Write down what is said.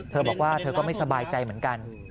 เธอบอกว่าเธอก็ไม่สบายใจเหมือนกัน